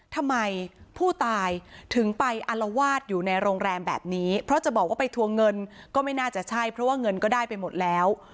ทำไมผู้ตายถึงไปอลวาดอยู่ในโรงแรมแบบนี้เพราะจะบอกว่าไปทวงเงินก็ไม่น่าจะใช่เพราะว่าเงินก็ได้ไปหมดแล้ว